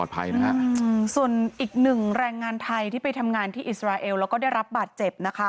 ส่วนอีกหนึ่งแรงงานไทยที่ไปทำงานที่อิสราเอลแล้วก็ได้รับบาดเจ็บนะคะ